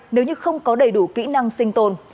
nếu như không có đầy đủ kỹ năng sinh tồn